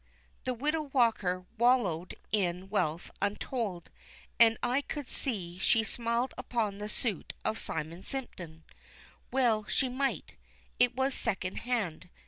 The Widow Walker wallowed in wealth untold, and I could see she smiled upon the suit of Simon Simpkin. Well she might. It was second hand.